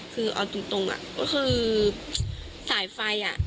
คือเอาตรงก็คือสายไฟ